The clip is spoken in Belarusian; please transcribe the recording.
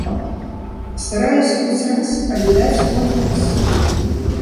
Стараюся хоць раз, але даць у адказ.